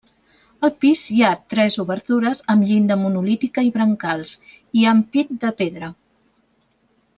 Al pis hi ha tres obertures amb llinda monolítica i brancals i ampit de pedra.